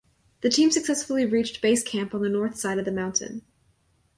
The team successfully reached Base Camp on the north side of the mountain.